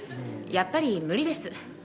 やっぱり無理です。